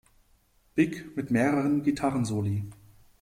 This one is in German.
Big, mit mehreren Gitarrensoli.